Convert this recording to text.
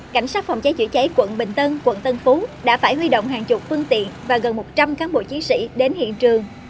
cảnh sát phòng cháy chữa cháy quận bình tân quận tân phú đã phải huy động hàng chục phương tiện và gần một trăm linh cán bộ chiến sĩ đến hiện trường